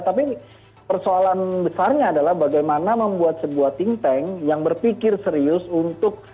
tapi persoalan besarnya adalah bagaimana membuat sebuah think tank yang berpikir serius untuk